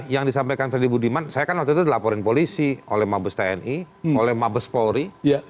yang disampaikan freddy budiman saya kan waktu itu dilaporin polisi oleh mabes tni oleh mabes polri